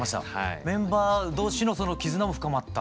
メンバー同士の絆も深まった。